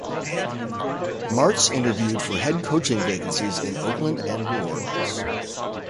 Martz interviewed for head coaching vacancies in Oakland and New Orleans.